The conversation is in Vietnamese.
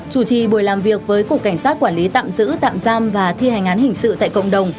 chủ trì buổi làm việc với cục cảnh sát quản lý tạm giữ tạm giam và thi hành án hình sự tại cộng đồng